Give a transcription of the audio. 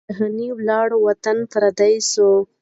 جهاني ولاړې وطن پردی سو